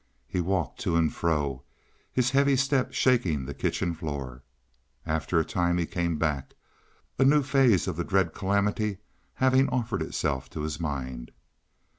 He walked to and fro, his heavy step shaking the kitchen floor. After a time he came back, a new phase of the dread calamity having offered itself to his mind.